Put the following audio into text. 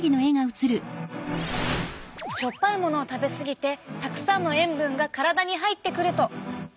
しょっぱいものを食べ過ぎてたくさんの塩分が体に入ってくると。